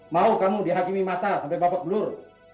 mau kamu dihakimi masa sampai bapak belur